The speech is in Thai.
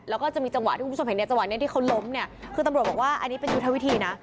แล้วก็จะมีจังหวะที่คุณผู้ชมเห็นในจังหวะนี้ที่เขาล้มเนี่ยคือตำรวจบอกว่าอันนี้เป็นยุทธวิธีนะ